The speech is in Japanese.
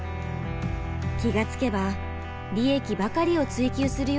気が付けば利益ばかりを追求するようになっていました。